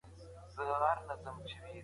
ماشومان باید له اور سره لوبې ونه کړي.